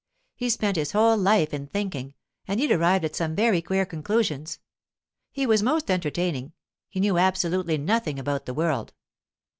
He spent his whole life in thinking, and he'd arrived at some very queer conclusions. He was most entertaining—he knew absolutely nothing about the world.